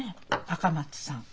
赤松さん。